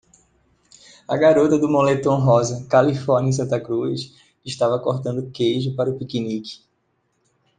A garota do moletom rosa Califórnia Santa Cruz estava cortando queijo para o piquenique.